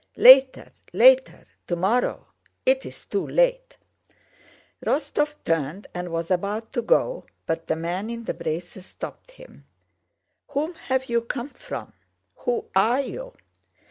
"Later... later! Tomorrow. It's too late..." Rostóv turned and was about to go, but the man in the braces stopped him. "Whom have you come from? Who are you?"